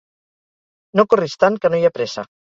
No corris tant que no hi ha pressa